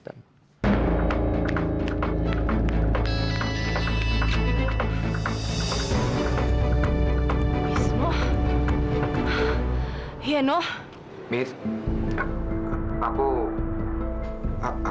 jangan sampai mereka kenapa napa